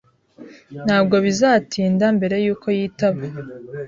Ntabwo bizatinda mbere yuko yitaba.